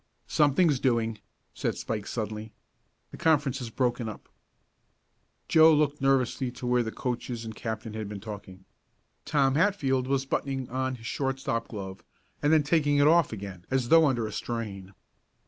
"Something's doing," said Spike suddenly. "The conference has broken up." Joe looked nervously to where the coaches and captain had been talking. Tom Hatfield was buttoning on his shortstop glove, and then taking it off again as though under a strain.